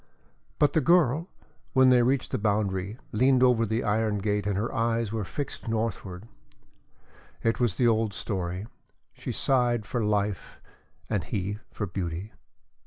But the girl, when they reached the boundary, leaned over the iron gate and her eyes were fixed northwards. It was the old story she sighed for life and he for beauty.